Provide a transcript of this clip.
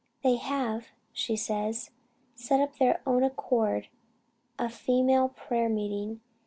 "They have," she says "set up of their own accord a female prayer meeting.